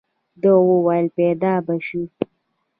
ده وويل پيدا به شي.